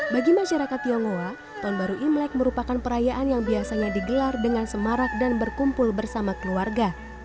bagi masyarakat tionghoa tahun baru imlek merupakan perayaan yang biasanya digelar dengan semarak dan berkumpul bersama keluarga